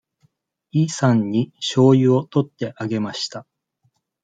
イさんにしょうゆを取ってあげました。